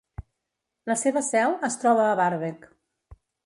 La seva seu es troba a Varberg.